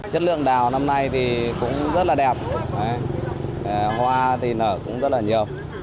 chất lượng đào năm nay thì cũng rất là đẹp hoa thì nở cũng rất là nhiều